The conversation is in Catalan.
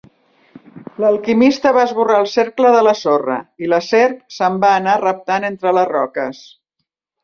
L'alquimista va esborrar el cercle de la sorra i la serp se'n va anar reptant entre les roques.